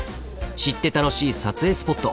知って楽しい撮影スポット。